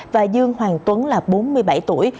và dương hoàng tuấn là bốn mươi bảy tuổi